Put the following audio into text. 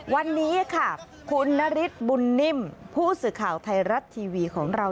วันนี้ค่ะคุณนฤทธิบุญนิ่มผู้สื่อข่าวไทยรัฐทีวีของเรา